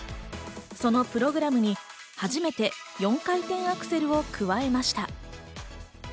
そのプログラムに初めて４回転アクセルを加えました。